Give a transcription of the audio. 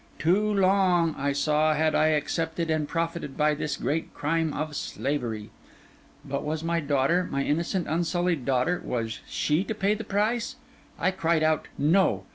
Too long, I saw, had I accepted and profited by this great crime of slavery; but was my daughter, my innocent unsullied daughter, was she to pay the price? I cried out—no!